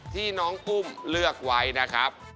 ที่น้องกุ้มเลือกไว้นะครับ